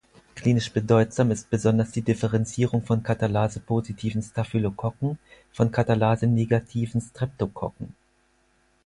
Klinisch bedeutsam ist besonders die Differenzierung von katalase-positiven Staphylokokken von katalase-negativen Streptokokken.